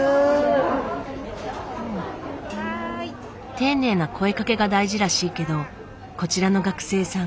丁寧な声かけが大事らしいけどこちらの学生さん